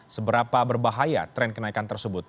seberapa berbahaya tren kenaikan tersebut